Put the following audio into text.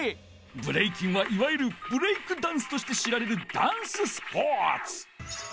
ブレイキンはいわゆるブレイクダンスとして知られるダンススポーツ！